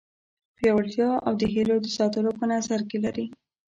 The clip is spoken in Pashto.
پیاوړتیا او د هیلو د ساتلو په نظر کې لري.